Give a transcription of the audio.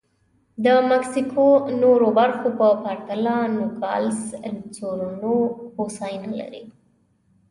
د مکسیکو نورو برخو په پرتله نوګالس سونورا هوساینه لري.